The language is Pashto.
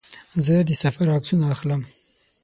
زه د سفر عکسونه اخلم.